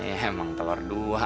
emang telur dua